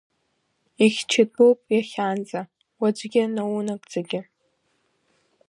Ихьчатәуп иахьанӡа, уаҵәгьы, наунагӡагьы.